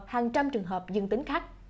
hàng trăm trường hợp dân tính khác